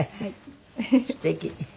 すてき。